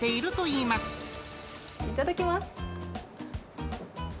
いただきます。